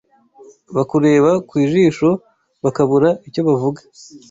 Bakureba ku jisho Bakabura icyo bavuga